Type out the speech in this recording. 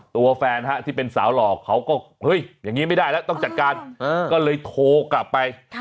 ตัวแฟนที่เป็นสาวหล่อเขาก็เฮ้ยอย่างนี้ไม่ได้แล้วต้องจัดการก็เลยโทรกลับไป